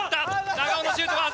長尾のシュートは外れる。